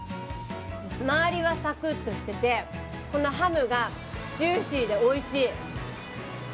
周りはサクッとしててハムがジューシーでおいしい。